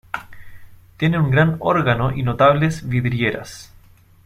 Tiene un gran órgano y notables vidrieras.